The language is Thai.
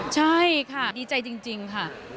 ใช่ค่ะดีใจจริงค่ะ